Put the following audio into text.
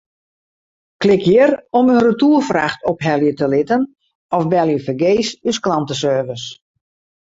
Klik hjir om in retoerfracht ophelje te litten of belje fergees ús klanteservice.